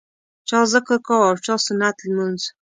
چا ذکر کاوه او چا سنت لمونځ.